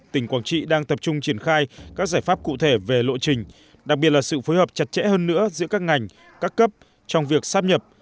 tỉnh quảng trị đang tập trung triển khai các giải pháp cụ thể về lộ trình đặc biệt là sự phối hợp chặt chẽ hơn nữa giữa các ngành các cấp trong việc sắp nhập